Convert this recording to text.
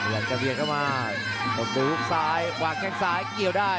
มันกระเวียตเข้ามามาจบทางซ้ายวางแค่งซ้ายเกี่ยวได้